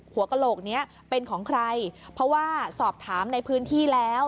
กระโหลกนี้เป็นของใครเพราะว่าสอบถามในพื้นที่แล้ว